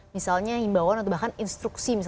misalnya himbauan atau bahkan instruksi